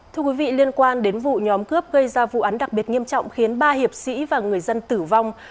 thưa quý vị liên quan đến vụ nhóm cướp gây ra vụ án đặc biệt nghiêm trọng khiến ba hiệp sĩ và người dân tử vong